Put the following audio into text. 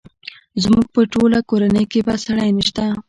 زموږ په ټوله کورنۍ کې بد سړی نه شته!